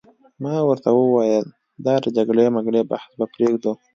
ما ورته وویل: دا د جګړې مګړې بحث به پرېږدو.